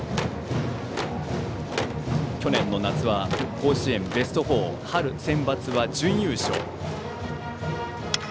去年の夏は甲子園ベスト４春センバツは準優勝。